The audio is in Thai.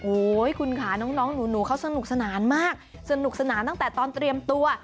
โอ้โหคุณค่ะน้องหนูเขาสนุกสนานมากสนุกสนานตั้งแต่ตอนเตรียมตัว